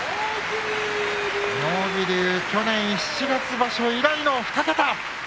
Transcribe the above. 妙義龍、去年七月場所以来の２桁。